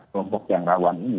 kelompok yang rawan ini